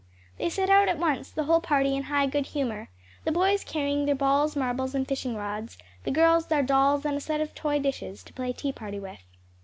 They set out at once, the whole party in high good humor, the boys carrying their balls, marbles, and fishing rods, the girls their dolls and a set of toy dishes, to play tea party with.